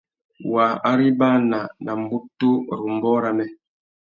Wa arimbana nà mbutu râ ambōh râmê.